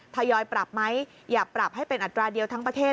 ทยอยปรับไหมอย่าปรับให้เป็นอัตราเดียวทั้งประเทศ